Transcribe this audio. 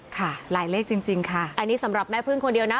ค่ะหลายเลขจริงค่ะอันนี้สำหรับแม่พึ่งคนเดียวนะ